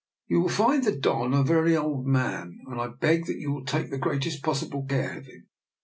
" You will find the Don a very old man, and I beg that you will take the greatest pos sible care of him.